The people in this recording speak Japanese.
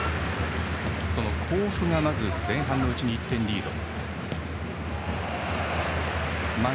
その甲府が前半のうちに１点リード。